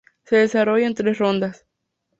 Se desarrolla en tres rondas.